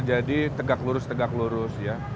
jadi tegak lurus tegak lurus ya